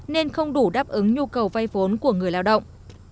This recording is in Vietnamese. nên không đủ đáp ứng nhu cầu vay vốn của người lao động